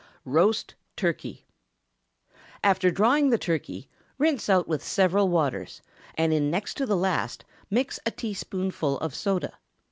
ROAST TURKEY. After drawing the turkey, rinse out with several waters, and in next to the last mix a teaspoonful of soda.